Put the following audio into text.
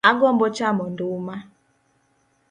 Agombo chamo nduma